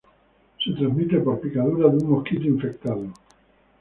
Se transmite por picaduras de un mosquito infectado.